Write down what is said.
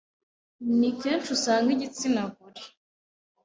Ni kenshi usanga igitsinagore